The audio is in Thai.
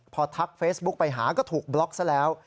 พอทักเฟซบุ๊กไปหาก็ถูกบล็อกซะแล้ว